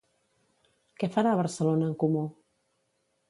Què farà Barcelona en Comú?